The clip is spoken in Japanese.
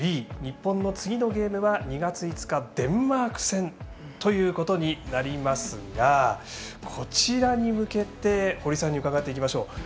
日本の次のゲームは２月５日デンマーク戦ということになりますがこちらに向けて堀さんに伺っていきましょう。